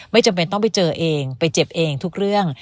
จำเป็นต้องไปเจอเองไปเจ็บเองทุกเรื่อง